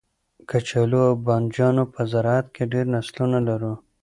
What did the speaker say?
کچالو او بنجانو په زرعت کې ډیر نسلونه لرو